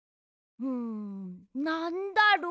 んなんだろう？